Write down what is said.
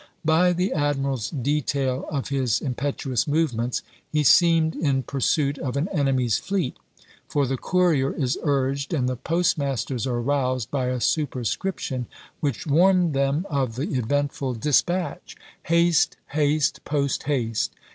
By the admiral's detail of his impetuous movements, he seemed in pursuit of an enemy's fleet; for the courier is urged, and the post masters are roused by a superscription, which warned them of the eventful despatch: "Haste, haste, post haste!